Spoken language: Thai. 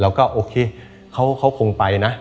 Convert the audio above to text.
แล้วก็โอเคเขาคงไปนะ